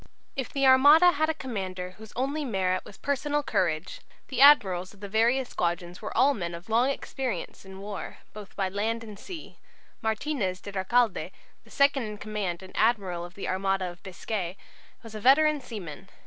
If the Armada had a commander whose only merit was personal courage, the admirals of the various squadrons were all men of long experience in war, both by land and sea. Martinez de Recalde, the second in command and admiral of the armada of Biscay, was a veteran seaman.